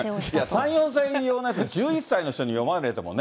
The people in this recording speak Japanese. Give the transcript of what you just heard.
３、４歳用なんか、１１歳の人に読まれてもね。